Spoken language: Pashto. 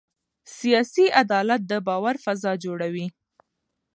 سیاسي عدالت د باور فضا جوړوي